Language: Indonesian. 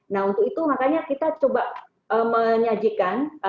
nah untuk itu makanya kita coba menyajikan